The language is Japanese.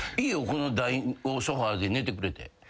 この台をソファで寝てくれて。